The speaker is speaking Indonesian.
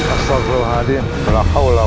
astagfirullahaladzim ya allah